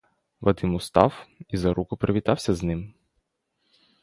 Вадим устав і за руку привітався з ним.